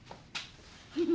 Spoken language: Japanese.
フフ。